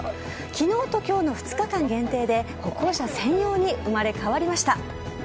昨日と今日の２日間限定で歩行者専用に生まれ変わりました。